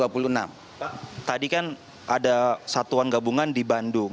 pak tadi kan ada satuan gabungan di bandung